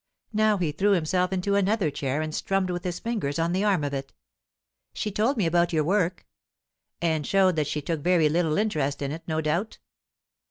Now he threw himself into another chair, and strummed with his fingers on the arm of it. "She told me about your work." "And showed that she took very little interest in it, no doubt?"